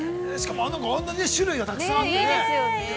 ◆しかも、あんな種類がたくさんあってね。